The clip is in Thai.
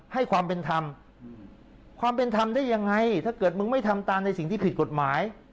ให้ความเป็นธรรมความเป็นธรรมได้ยังไงถ้าเกิดมึงไม่ทำตามในสิ่งที่ผิดกฎหมาย